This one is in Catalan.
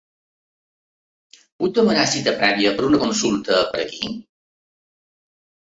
Puc demanar cita prèvia per una consulta per aquí?